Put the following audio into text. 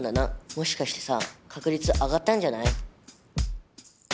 もしかしてさ確率上がったんじゃない？